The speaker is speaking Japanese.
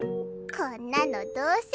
こんなのどうせ。